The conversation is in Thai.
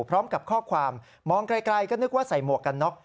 พร้อมกับข้อความมองไกลก็นึกว่าใส่หมวกกันน็อก